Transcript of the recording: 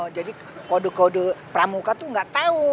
jadi kode kode pramuka tuh gak tahu